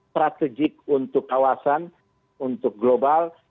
strategik untuk kawasan untuk global